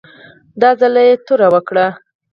دا ځل یې توره وکړه.